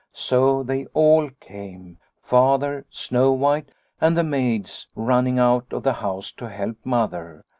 So they all came, Father, Snow White, and the maids running out of the house to help Mother.